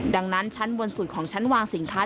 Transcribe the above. ดังนั้นชั้นบนสุดของชั้นวางสินค้า